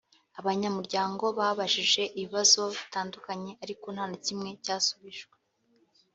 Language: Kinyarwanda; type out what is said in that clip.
abanyamuryango babajije ibibazo bitandukanye ariko nta na kimwe cyasubijwe